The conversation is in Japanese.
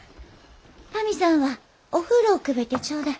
タミさんはお風呂をくべてちょうだい。